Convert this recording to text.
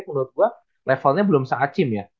menurut gua level nya belum se acim ya